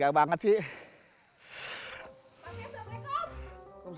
keren banget nih papi